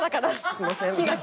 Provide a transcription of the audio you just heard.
「すいません」。